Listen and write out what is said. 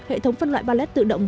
hệ thống phân loại pallet tự động